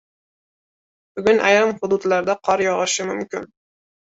Bugun ayrim hududlarda qor yog‘ishi mumkin